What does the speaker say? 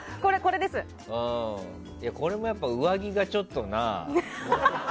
これもやっぱり上着がちょっとな。